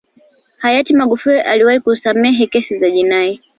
hayati magufuli aliwahi kusamehe kesi za jinai